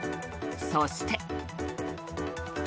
そして。